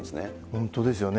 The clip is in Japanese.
本当ですよね。